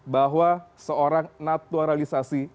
bahwa seorang naturalisasi